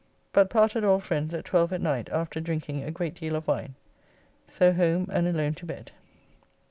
But parted all friends at 12 at night after drinking a great deal of wine. So home and alone to bed.